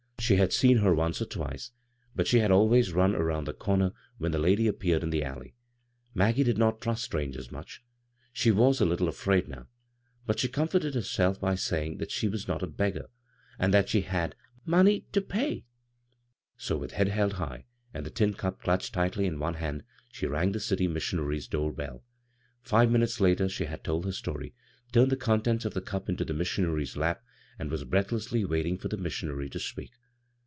She had seen her once or twice, but she had always run around the comer when the lady appeared in the Alley. Maggie did not trust strangers much. She was a little afraid now ; 6vt she comforted herself by saying that she W4S not a beggar, and that she had " money 137 b, Google CROSS CURRENTS ter pay." So with head held high, and the tin cup clutched tightly in one hand, she rang the city missionary's door belL Five minutes later she had told ber story, turned the con tents of the cup into the missionary's lap, and was breathlessly waiting for the missionary to speak.